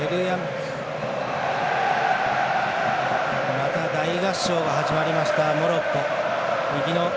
また大合唱が始まりましたモロッコ。